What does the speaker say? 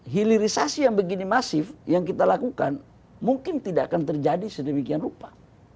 hilirisasi yang begini masif yang kita lakukan mungkin tidak akan terjadi sedemikian rupa